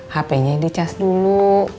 hp nya di charge dulu